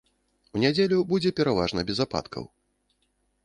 У нядзелю будзе пераважна без ападкаў.